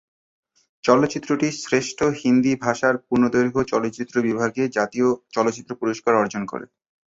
চলচ্চিত্রটি শ্রেষ্ঠ হিন্দি ভাষার পূর্ণদৈর্ঘ্য চলচ্চিত্র বিভাগে জাতীয় চলচ্চিত্র পুরস্কার অর্জন করে।